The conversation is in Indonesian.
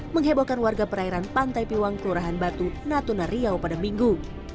menghebohkan warga perairan pantai piwang kelurahan batu natuna riau pada minggu